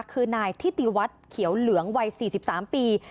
คือนายทิติวัฒน์เขียวเหลืองวัย๔๓ปี